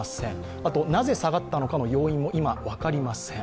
あと、なぜ下がったのかも、今、分かりません。